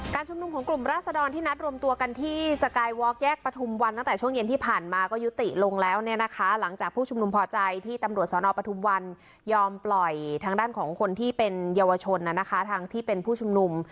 ชุมนุมของกลุ่มราศดรที่นัดรวมตัวกันที่สกายวอร์กแยกประทุมวันตั้งแต่ช่วงเย็นที่ผ่านมาก็ยุติลงแล้วเนี่ยนะคะหลังจากผู้ชุมนุมพอใจที่ตำรวจสนปทุมวันยอมปล่อยทางด้านของคนที่เป็นเยาวชนนะคะทางที่เป็นผู้ชุมนุม